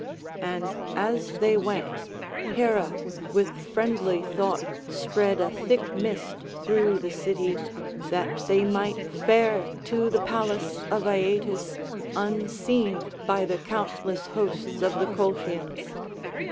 And as they went Hera with friendly thought spread a thick mist through the city, that they might fare to the palace of Aeetes unseen by the countless hosts of the Colchians.